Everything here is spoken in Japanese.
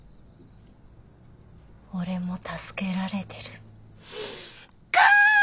「俺も助けられてる」か！